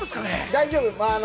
大丈夫。